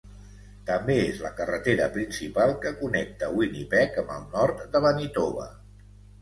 També és la carretera principal que connecta Winnipeg amb el nord de Manitoba.